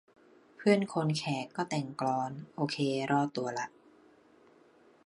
เพื่อนคนแขกก็แต่งกลอน โอเครอดตัวละ